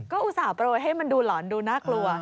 ก็อุตส่าหโปรยให้มันดูหลอนดูน่ากลัว